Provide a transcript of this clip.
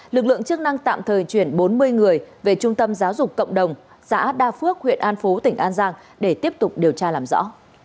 lực lượng chức năng tạm thời chuyển bốn mươi người về trung tâm giáo dục cộng đồng xã đa phước huyện an phú tỉnh an giang để tiếp tục điều tra làm rõ